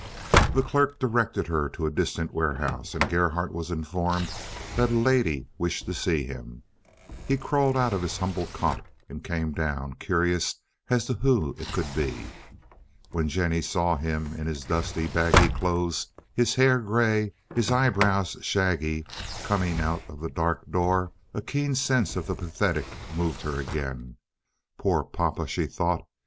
The clerk directed her to a distant warehouse, and Gerhardt was informed that a lady wished to see him. He crawled out of his humble cot and came down, curious as to who it could be. When Jennie saw him in his dusty, baggy clothes, his hair gray, his eye brows shaggy, coming out of the dark door, a keen sense of the pathetic moved her again. "Poor papa!" she thought.